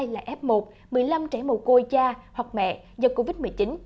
ba trăm linh hai là f một một mươi năm trẻ mồ côi cha hoặc mẹ do covid một mươi chín